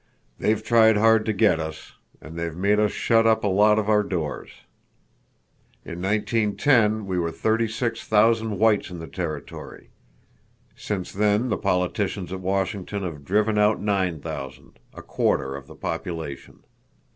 "They've tried hard to get us, and they've made us shut up a lot of our doors. In 1910 we were thirty six thousand whites in the Territory. Since then the politicians at Washington have driven out nine thousand, a quarter of the population.